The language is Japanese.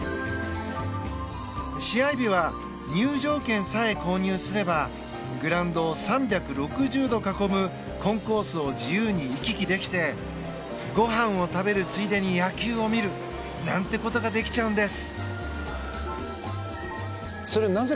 試合日は入場券さえ購入すればグラウンドを３６０度囲むコンコースを自由に行き来できてごはんを食べるついでに野球を見るなんてことができちゃうんです。